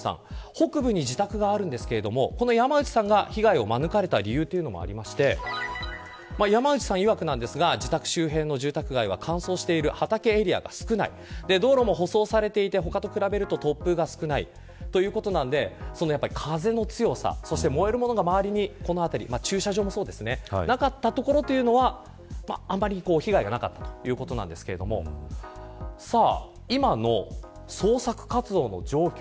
北部に自宅があるんですがこの山内さんが被害を免れた理由がありまして山内さんいわくなんですが自宅周辺の住宅街は乾燥している畑エリアが少なく道路も舗装されていて他と比べると突風が少ないということで風の強さ燃えるものが周りになかった所というのはあまり被害がなかったということなんですけれども今の捜索活動の状況